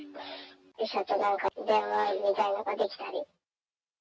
医者となんか、電話みたいなのができたり。